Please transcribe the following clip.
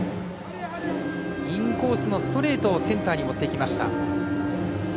インコースのストレートをセンターに持っていきました。